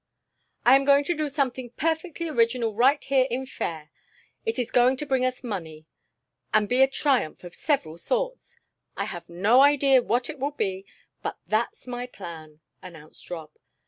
"I am going to do something perfectly original right here in Fayre; it is going to bring us money, and be a triumph of several sorts. I have no idea what it will be, but that's my plan," announced Rob.